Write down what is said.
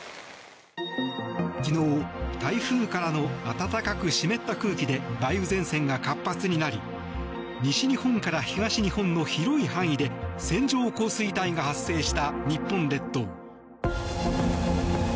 昨日、台風からの暖かく湿った空気で梅雨前線が活発になり西日本から東日本の広い範囲で線状降水帯が発生した日本列島。